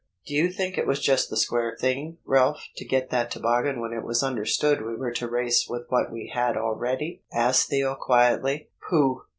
"Do you think it was just the square thing, Ralph, to get that toboggan when it was understood we were to race with what we had already?" asked Theo quietly. "Pooh!"